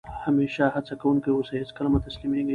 همېشه هڅه کوونکی اوسى؛ هېڅ کله مه تسلیمېږئ!